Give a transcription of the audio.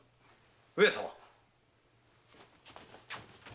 ・上様！